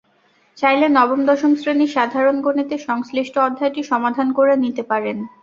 চাইলে নবম-দশম শ্রেণির সাধারণ গণিতের সংশ্লিষ্ট অধ্যায়টি সমাধান করে নিতে পারেন।